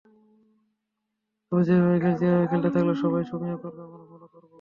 তবে যেভাবে খেলছি, এভাবে খেলতে থাকলে সবাই সমীহ করবে, আমরাও ভালো করব।